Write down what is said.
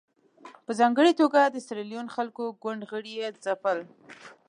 په ځانګړې توګه د سیریلیون د خلکو ګوند غړي یې ځپل.